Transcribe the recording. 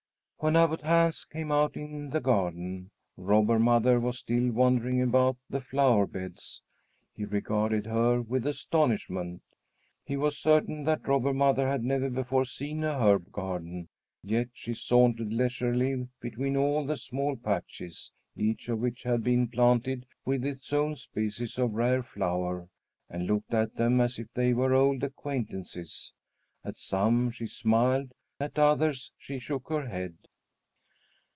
When Abbot Hans came out in the garden, Robber Mother was still wandering among the flower beds. He regarded her with astonishment. He was certain that Robber Mother had never before seen an herb garden; yet she sauntered leisurely between all the small patches, each of which had been planted with its own species of rare flower, and looked at them as if they were old acquaintances. At some she smiled, at others she shook her head.